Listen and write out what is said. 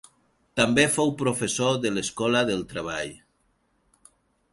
També fou professor de l'Escola del Treball.